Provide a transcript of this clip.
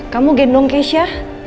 kamu gendong kesya